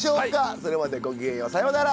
それまでご機嫌ようさようなら。